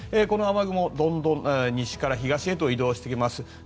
この雨雲、どんどん西から東へと移動していきます。